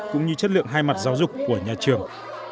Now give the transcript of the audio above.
cũng như chất lượng hai mặt giáo dục của nhà trường